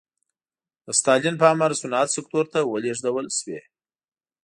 د ستالین په امر صنعت سکتور ته ولېږدول شوې.